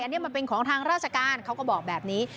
อันนี้มันเป็นของทางราชการเขาก็บอกแบบนี้